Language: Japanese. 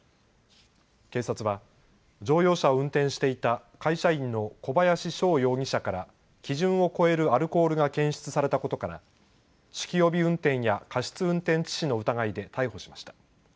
警察は乗用車を運転していた会社員の小林翔容疑者から基準を超えるアルコールが検出されたことから酒気帯び運転や過失運転致死の疑いで逮捕しました。